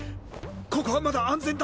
ここはまだ安全だ。